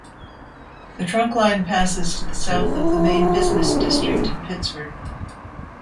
The trunkline passes to the south of the main business district in Pittsford.